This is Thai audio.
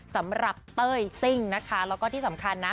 สำหรับเต้ยสิ้งนะคะแล้วก็ที่สำคัญนะ